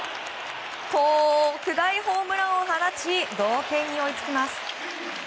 特大ホームランを放ち同点に追いつきます。